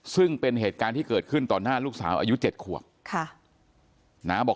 ซึ่งเป็นเหตุการณ์ที่เกิดขึ้นตอนหน้าลูกสาวอายุ๗ขวบ